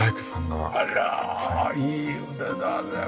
あらいい腕だね。